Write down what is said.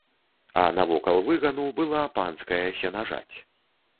А навокал выгану была панская сенажаць.